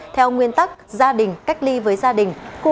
theo nguyên tắc gia đình cách ly với gia đình